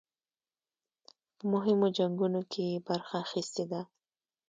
په مهمو جنګونو کې یې برخه اخیستې ده.